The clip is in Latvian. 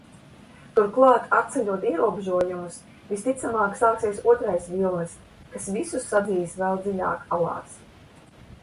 Turklāt, atceļot ierobežojumus, visticamāk, sāksies otrais vilnis, kas visus sadzīs vēl dziļāk alās.